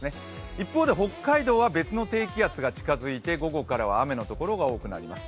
一方で北海道は別の低気圧が近づいて午後からは雨の所が多くなります。